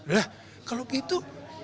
lah kalau begitu